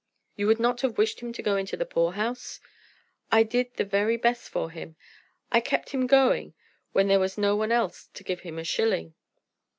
"You would not have wished him to go into the poor house?" "I did the very best for him. I kept him going when there was no one else to give him a shilling."